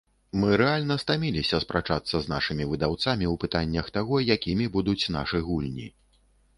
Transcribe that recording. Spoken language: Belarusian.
Мы рэальна стаміліся спрачацца з нашымі выдаўцамі ў пытаннях таго, якімі будуць нашы гульні.